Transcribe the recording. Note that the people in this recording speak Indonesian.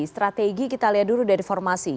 strategi kita lihat dulu dari formasi